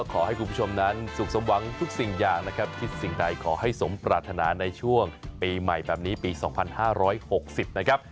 ขอให้คุณผู้ชมนั้นสุขสมหวังทุกสิ่งอย่างนะครับคิดสิ่งใดขอให้สมปรารถนาในช่วงปีใหม่แบบนี้ปี๒๕๖๐นะครับ